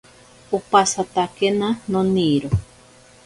Opasatakena noniro.